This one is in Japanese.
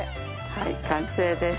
はい完成です。